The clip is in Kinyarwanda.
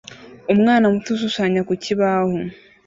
Umwana muto ushushanya ku kibaho